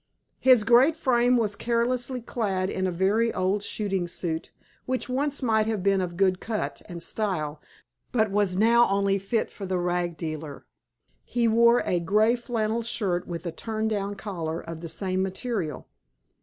His great frame was carelessly clad in a very old shooting suit, which once might have been of good cut and style, but was now only fit for the rag dealer. He wore a grey flannel shirt with a turn down collar of the same material.